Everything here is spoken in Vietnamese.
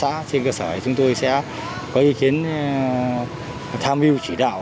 cả nhân tôi trưởng hóa xã trên cơ sở chúng tôi sẽ có ý kiến tham hiu chỉ đạo